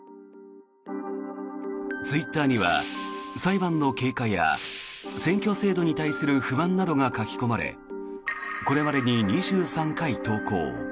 ツイッターには裁判の経過や選挙制度に対する不満などが書き込まれこれまでに２３回投稿。